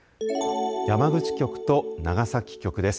山口局と長崎局です。